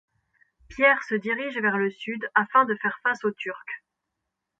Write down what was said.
Pierre se dirige vers le sud afin de faire face aux Turcs.